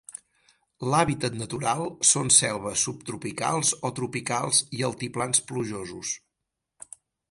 L'hàbitat natural són selves subtropicals o tropicals i altiplans plujosos.